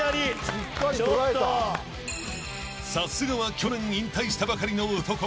［さすがは去年引退したばかりの男］